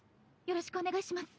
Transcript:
よろしくお願いします。